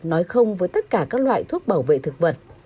nói không với tất cả các loại thuốc bảo vệ thực vật